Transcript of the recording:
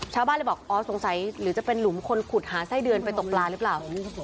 ชาวบ้านเลยบอกอ๋อสงสัยหรือจะเป็นหลุมคนขุดหาไส้เดือนไปตกปลาหรือเปล่า